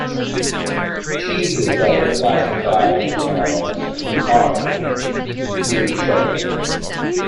Cheeses that are classified as to hard include Cheddar.